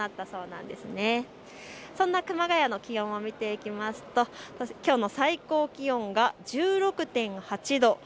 そんな熊谷の気温を見ていきますときょうの最高気温が１６．８度。